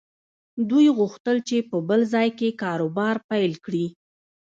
دوی غوښتل چې په بل ځای کې کاروبار پيل کړي.